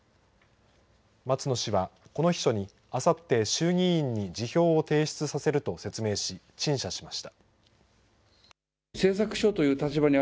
松野氏は、この秘書にあさって衆議院に辞表を提出させると説明し陳謝しました。